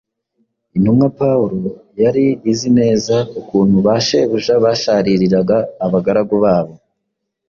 Intumwa Pawulo yari izi neza ukuntu ba shebuja bashaririraga abagaragu babo,